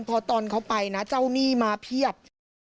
เพราะตอนเขาไปนะเจ้าหนี้มาเพียบ